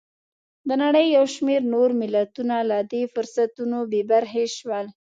د نړۍ یو شمېر نور ملتونه له دې فرصتونو بې برخې شول.